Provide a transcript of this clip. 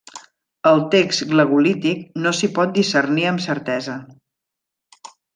El text glagolític no s'hi pot discernir amb certesa.